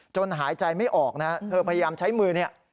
หายใจไม่ออกนะเธอพยายามใช้มือเนี่ย